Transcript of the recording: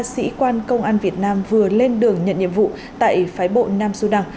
sĩ quan công an việt nam vừa lên đường nhận nhiệm vụ tại phái bộ nam sudan